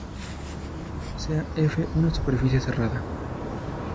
Sea "F" una superficie cerrada.